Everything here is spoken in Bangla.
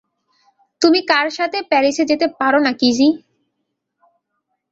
তুমি তার সাথে প্যারিসে যেতে পারোনা, কিজি।